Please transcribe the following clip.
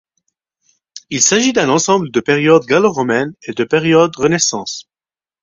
Il s'agit d'un ensemble de période gallo-romaine, et de période Renaissance.